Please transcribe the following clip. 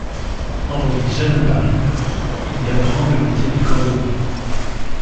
Envoyé jeune à Paris, il y apprend le métier de cordonnier.